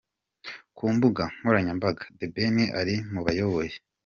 Ku mbuga nkoranyambaga, The Ben ari mu bayoboye.